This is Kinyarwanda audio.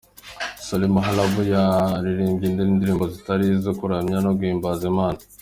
Solly Mahlangu yaririmbye n’indirimbo zitari izo kuramya no guhimbaza Imana.